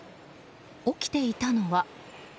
起きていたのは。